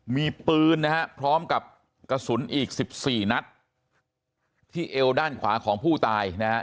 มีปืนนะฮะพร้อมกับกระสุนอีก๑๔นัดที่เอวด้านขวาของผู้ตายนะฮะ